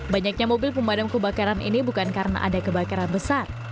banyaknya mobil pemadam kebakaran ini bukan karena ada kebakaran besar